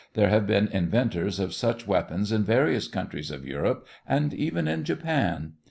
There have been inventors of such weapons in various countries of Europe, and even in Japan.